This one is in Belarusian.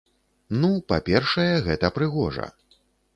Ну, па-першае, гэта прыгожа.